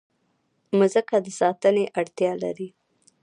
مځکه د ساتنې اړتیا لري.